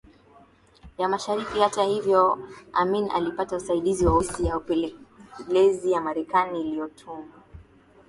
ya Mashariki Hata hivyo Amin alipata usaidizi wa ofisi ya upelelezi ya Marekani iliyotuma